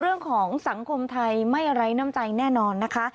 เรื่องของสังคมไทยไม่ไร้น้ำใจแน่นอนนะคะ